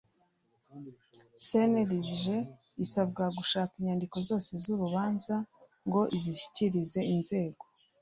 Cnlg isabwa gushaka inyandiko zose z urubanza ngo izishyikirize inzego